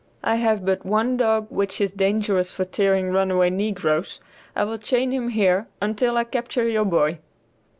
I have but one dog which is dangerous for tearing runaway negroes; I will chain him here until I capture your boy."